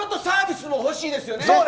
サービスも欲しいですよね。